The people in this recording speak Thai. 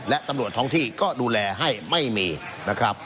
และตำรวจท้องที่ก็ดูแลให้ไม่มีนะครับ